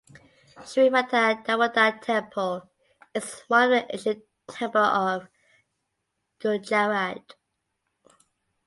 Shri Radha Damodar temple is one of the ancient temple of Gujarat.